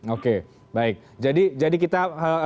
oke baik jadi kita